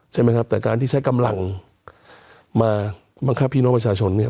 ใช่ไหมครับแต่การที่ใช้กำลังมาบังคับพี่น้องประชาชนเนี่ย